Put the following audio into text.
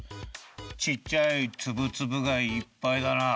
ちっちゃいツブツブがいっぱいだな。